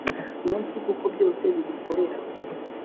munsi kuko byose bigukorera